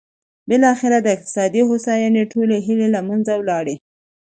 بالاخره د اقتصادي هوساینې ټولې هیلې له منځه وړي.